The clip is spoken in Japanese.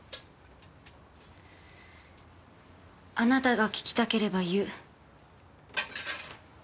あなたが聞きたければ言う。